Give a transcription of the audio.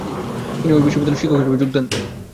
তিনি ঐ বিশ্ববিদ্যালয়ে শিক্ষক হিসাবে যোগ দেন।